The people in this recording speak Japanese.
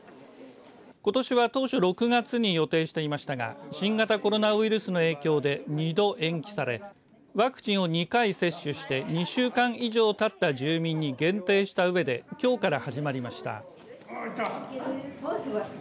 ことしは当初６月に予定していましたが新型コロナウイルスの影響で２度延期されワクチンを２回接種して２週間以上たった住民に限定したうえできょうから始まりました。